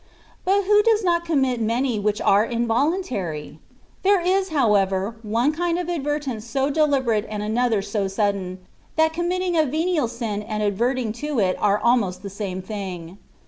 But who does not commit many which are involuntary ? There is, however, one kind of advertence so deliberate and another so sudden, that committing a venial sin and advert ing to it are almost the same thing.